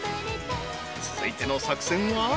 ［続いての作戦は］